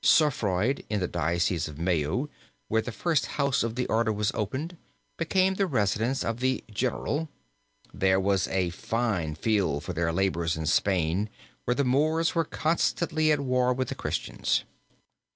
Cerfroid, in the diocese of Meaux, where the first house of the order was opened, became the residence of the General (minister generalis). There was a fine field for their labors in Spain, where the Moors were constantly at war with the Christians.